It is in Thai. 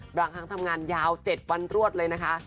บางครั้งทำงานยาว๗วันรวดเลยนะคะ